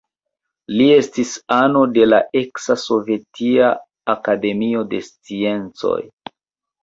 Li estis ano de la eksa Sovetia Akademio de Sciencoj.